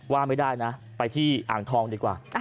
ว่าไม่ได้นะไปที่อ่างทองดีกว่า